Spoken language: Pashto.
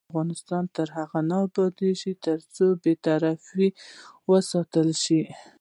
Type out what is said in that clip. افغانستان تر هغو نه ابادیږي، ترڅو بې طرفي وساتل شي.